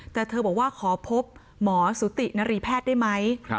แต่เธอบอกว่าขอพบหมอสุตินรีแพทย์ได้ไหม